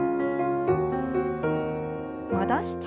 戻して。